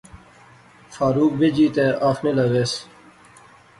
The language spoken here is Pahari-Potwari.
فاروق بیجی تے آخنے لاغیس